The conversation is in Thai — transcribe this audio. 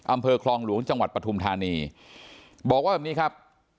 อำเภอคลองหลวงจังหวัดปฐุมธานีบอกว่าแบบนี้ครับ